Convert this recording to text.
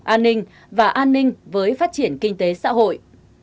an ninh và an ninh với phát triển kinh tế xã hội